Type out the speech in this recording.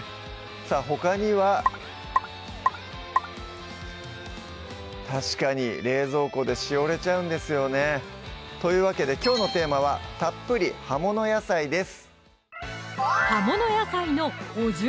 さぁほかには確かに冷蔵庫でしおれちゃうんですよねというわけできょうのテーマは「たっぷり！葉物野菜」です